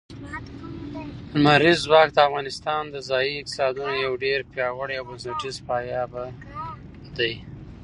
لمریز ځواک د افغانستان د ځایي اقتصادونو یو ډېر پیاوړی او بنسټیز پایایه دی.